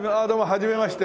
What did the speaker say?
はじめまして。